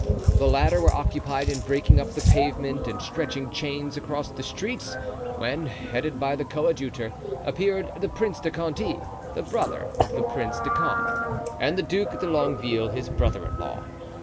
The latter were occupied in breaking up the pavement and stretching chains across the streets, when, headed by the coadjutor, appeared the Prince de Conti (the brother of the Prince de Condé) and the Duc de Longueville, his brother in law.